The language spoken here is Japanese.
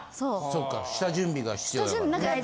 そうか下準備が必要やから。